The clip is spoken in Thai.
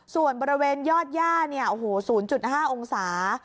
ส่วนบริเวณยอดย่า๐๕องศา